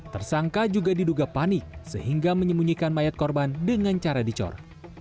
tersangka juga diduga panik sehingga menyembunyikan mayat korban dengan cara dicor